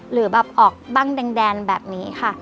หรือแบบออกบ้างแดงแบบนี้ค่ะ